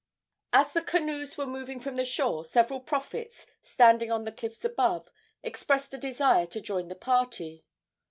As the canoes were moving from the shore several prophets, standing on the cliffs above, expressed a desire to join the party.